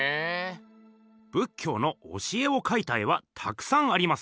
仏教の教えをかいた絵はたくさんあります。